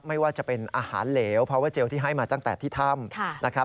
ไม่ว่าจะเป็นอาหารเหลวเพราะว่าเจลที่ให้มาตั้งแต่ที่ถ้ำนะครับ